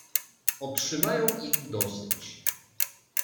"Otrzymają ich dosyć."